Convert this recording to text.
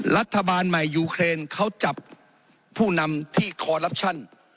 รัฐบาลใหม่ยูเครนเขาจับผู้นำที่คอลลับชั่น